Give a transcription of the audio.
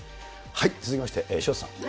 続きまして、潮田さん。